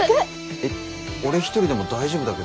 えっ俺一人でも大丈夫だけど。